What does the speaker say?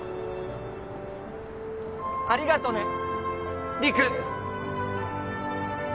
ありがとね陸！